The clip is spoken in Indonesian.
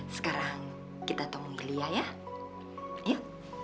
sekarang kita temuin lia ya yuk